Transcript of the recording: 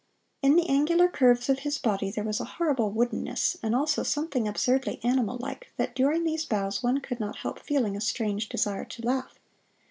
In the angular curves of his body there was a horrible woodenness, and also something absurdly animal like, that during these bows one could not help feeling a strange desire to laugh.